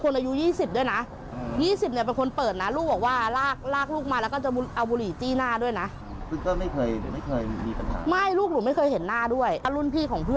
ลูกเราไปทำอะไรให้ถูกไหมพี่